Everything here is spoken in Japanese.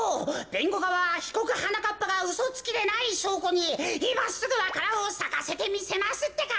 べんごがわはひこくはなかっぱがうそつきでないしょうこにいますぐわか蘭をさかせてみせますってか。